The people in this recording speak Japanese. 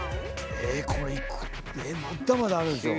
えこれまだまだあるでしょ。